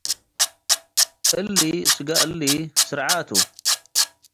እሊ ስጋ እሊ ስርዐ ቱ ።